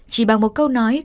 chỉ bằng một câu nói